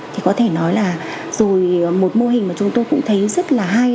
thì có thể nói là rồi một mô hình mà chúng tôi cũng thấy rất là hay